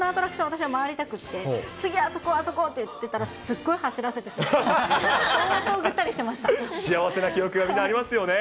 私は回りたくて、次あそこ、あそこっていってたら、すっごい走らせてしまって、ぐったりしま幸せな記憶がみんなありますよね。